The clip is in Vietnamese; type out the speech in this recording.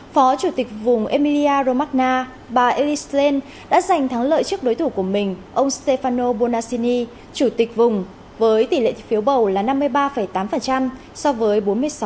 phó chủ tịch vùng emilia romagna bà elis lane đã giành thắng lợi trước đối thủ của mình ông stefano bonassini chủ tịch vùng với tỷ lệ thiếu bầu là năm mươi ba tám so với bốn mươi sáu hai